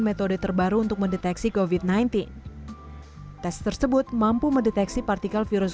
metode terbaru untuk mendeteksi kovid sembilan belas tes tersebut mampu mendeteksi partikel virus